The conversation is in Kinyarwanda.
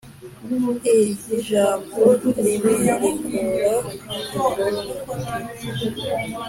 i jambo ribi rikura imboro mu gi tuba